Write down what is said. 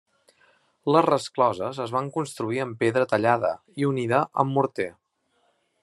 Les rescloses es van construir amb pedra tallada i unida amb morter.